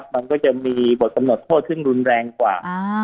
มันก็จะมีบทกำหนดโทษซึ่งรุนแรงกว่า